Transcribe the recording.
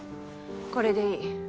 これでいい。